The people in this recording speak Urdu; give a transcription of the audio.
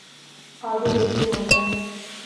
آگے دیکھیے ہوتا ہے۔